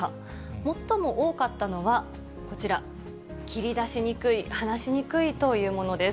最も多かったのは、こちら、切り出しにくい、話しにくいというものです。